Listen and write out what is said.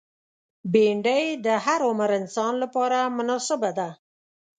بېنډۍ د هر عمر انسان لپاره مناسبه ده